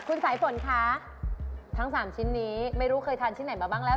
คุณสายฝนคะทั้ง๓ชิ้นนี้ไม่รู้เคยทานชิ้นไหนมาบ้างแล้ว